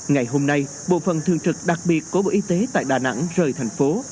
ngày hôm nay bộ phần thường trực đặc biệt của bộ y tế tại đà nẵng rời thành phố